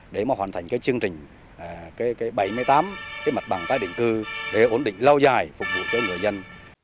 để mà hoàn thành cái chương trình bảy mươi tám cái mặt bằng tái định cư để ổn định lâu dài phục vụ cho người dân